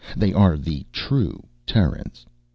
They are the true Terrans.